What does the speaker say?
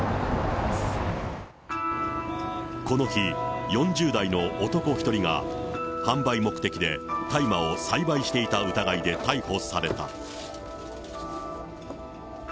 この日、４０代の男１人が販売目的で大麻を栽培していた疑いで逮捕された。